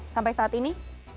sampai saat ini